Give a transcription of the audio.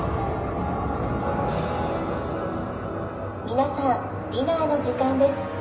皆さんディナーの時間です。